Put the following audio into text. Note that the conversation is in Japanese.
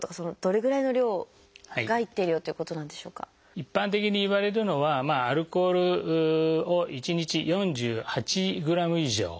一般的にいわれるのはアルコールを１日４８ｇ以上。